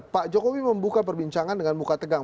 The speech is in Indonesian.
pak jokowi membuka perbincangan dengan muka tegang